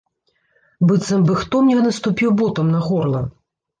Быццам бы хто мне наступіў ботам на горла.